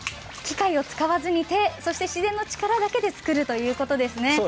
機械を使わずに手そして自然の力だけで作るということですね。